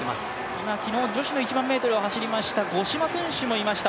今、昨日女子の１００００ｍを走りました五島選手もいました。